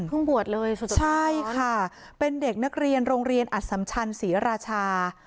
เพิ่งบวชเลยสุดท้อนใช่ค่ะเป็นเด็กนักเรียนโรงเรียนอัสสำชันศรีราชา